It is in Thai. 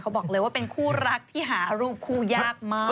บอกเลยว่าเป็นคู่รักที่หารูปคู่ยากมาก